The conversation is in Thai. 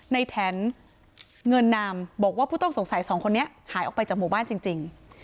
แถนเงินนามบอกว่าผู้ต้องสงสัยสองคนนี้หายออกไปจากหมู่บ้านจริง